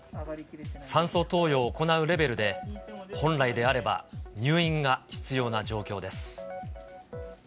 酸素投与を行うレベルで、本来であれば入院が必要な状況です。